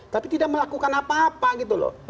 tapi tidak melakukan apa apa gitu loh